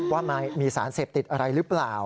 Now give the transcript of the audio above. ว่ามีสารเสพติดอะไรหรือเปล่า